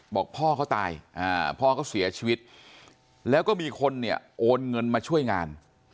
บอกพ่อเขาตายพ่อเขาเสียชีวิตแล้วก็มีคนเนี่ยโอนเงินมาช่วยงาน